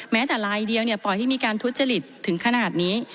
แม้แต่ลายเดียวปล่อยให้มีการทุจริตถึงขนาดนี้